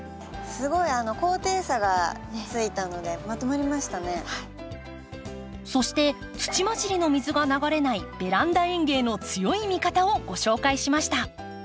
すごいそして土まじりの水が流れないベランダ園芸の強い味方をご紹介しました。